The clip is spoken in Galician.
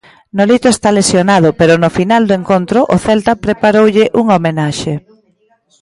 Nolito está lesionado pero no final do encontro o Celta preparoulle unha homenaxe.